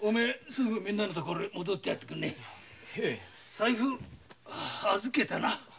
財布預けたな？